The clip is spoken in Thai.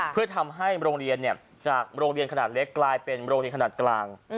เพื่อทำให้โรงเรียนจากโรงเรียนขนาดเล็กกลายเป็นโรงเรียนขนาดกลาง